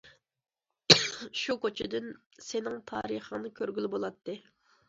شۇ كوچىدىن سېنىڭ تارىخىڭنى كۆرگىلى بولاتتى.